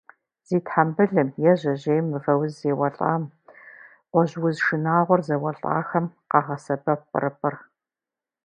Зи тхьэмбылым е жьэжьейм мывэуз еуэлӏам, гъуэжь уз шынагъуэр зэуэлӏахэм къагъэсэбэп пӏырыпӏыр.